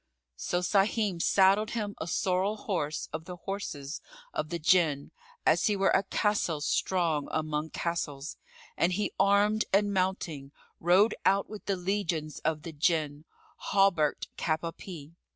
So Sahim saddled him a sorrel horse of the horses of the Jinn, as he were a castle strong among castles, and he armed and mounting, rode out with the legions of the Jinn, hauberk'd cap à pie.